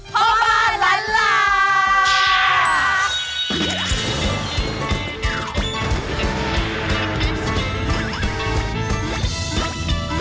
พ่อมันหลังลาก